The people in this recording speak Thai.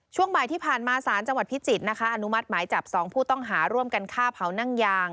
ช่วงบ่ายที่ผ่านมาสารจังหวัดพิจิตรนะคะอนุมัติหมายจับ๒ผู้ต้องหาร่วมกันฆ่าเผานั่งยาง